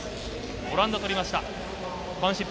オランダ取りました。